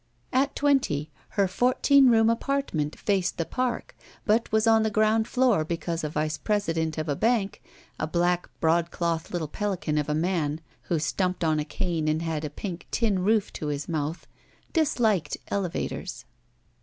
At twenty her f ourteen room apartment faced the Park, but was on the grotmd floor because a vice president of a bank, a black broaddoth little pelican of a man, who stumped on a cane and had a pink tin roof to his mouth, disliked elevators.